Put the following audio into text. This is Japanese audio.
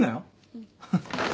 うん。